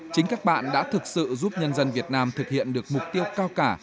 chính các bạn đã thực sự giúp nhân dân việt nam thực hiện được mục tiêu cao cả